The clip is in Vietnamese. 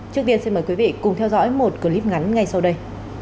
trước tiên xin mời quý vị cùng theo dõi một clip ngắn ngay sau đây